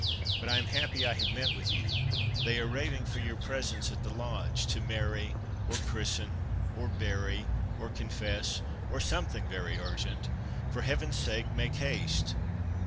—But I am happy I have met with you—They are raving for your presence at the Lodge—to marry, or christen, or bury, or confess, or something very urgent.—For Heaven's sake, make haste!"